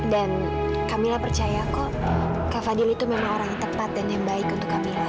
kamila percaya kok kak fadil itu memang orang yang tepat dan yang baik untuk capil